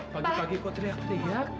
pagi pagi ikut teriak teriak